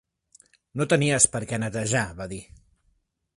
"No tenies per què netejar", va dir.